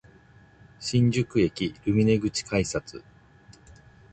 新宿駅ルミネ口改札